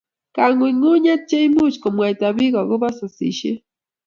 Kangunyngunyek che imuch komwaita piik akoba sasishet